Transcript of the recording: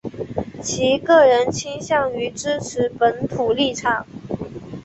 其个人倾向于支持本土立场。